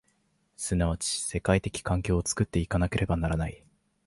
即ち世界的環境を作って行かなければならない。